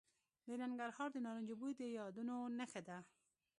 د ننګرهار د نارنجو بوی د یادونو نښه ده.